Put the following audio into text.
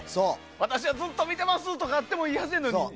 私はずっと見てますとかあってもいいはずなのに。